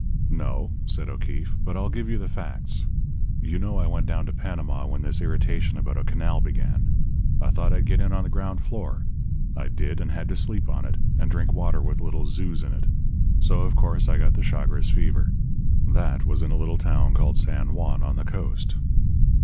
"No," said O'Keefe; "but I'll give you the facts. You know I went down to Panama when this irritation about a canal began. I thought I'd get in on the ground floor. I did, and had to sleep on it, and drink water with little zoos in it; so, of course, I got the Chagres fever. That was in a little town called San Juan on the coast.